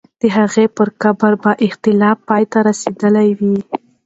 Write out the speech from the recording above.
د هغې پر قبر به اختلاف پای ته رسېدلی وو.